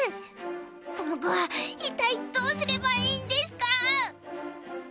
ココモクは一体どうすればいいんですか！？